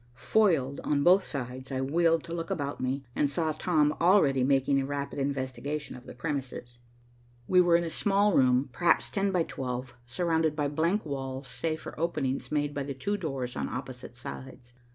Foiled on both sides, I wheeled to look about me, and saw Tom already making a rapid investigation of the premises. We were in a small room, perhaps ten by twelve, surrounded by blank walls, save for openings made by the two doors on opposite sides.